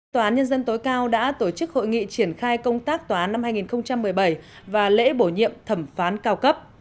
tòa án nhân dân tối cao đã tổ chức hội nghị triển khai công tác tòa án năm hai nghìn một mươi bảy và lễ bổ nhiệm thẩm phán cao cấp